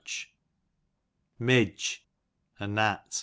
Midge, a gnat.